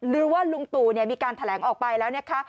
หรือว่าลุงตู่มีการแถลงออกไปแล้วนะคะ